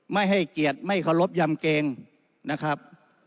ไม่ให้เกียรติไม่เคารพยำเกงนะครับ